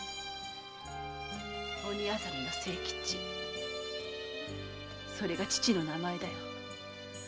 鬼薊の清吉それが父の名前だよ。